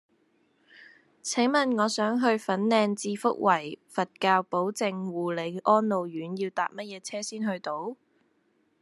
請問我想去粉嶺置福圍佛教寶靜護理安老院要搭乜嘢車先去到